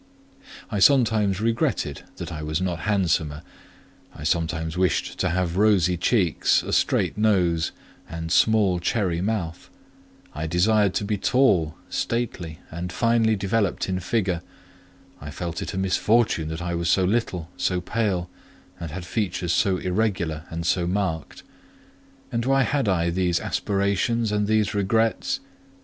I sometimes regretted that I was not handsomer; I sometimes wished to have rosy cheeks, a straight nose, and small cherry mouth; I desired to be tall, stately, and finely developed in figure; I felt it a misfortune that I was so little, so pale, and had features so irregular and so marked. And why had I these aspirations and these regrets?